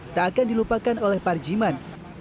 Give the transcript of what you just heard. tak akan dilupakan oleh parjiman